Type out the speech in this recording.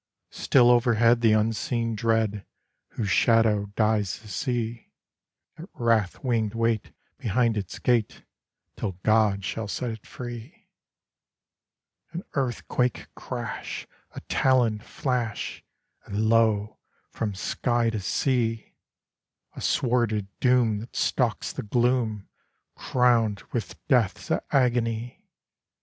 Still overhead the unseen dread, Whose shadow dyes the sea, At wrath winged wait behind its gate Till God shall set it free. An earthquake crash; a taloned flash And, lo! from sky to sea A sworded Doom that stalks the gloom, Crowned with Death's agony.